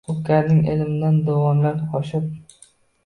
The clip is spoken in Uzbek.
Hulkaring ilmda dovonlar oshib